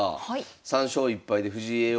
３勝１敗で藤井叡王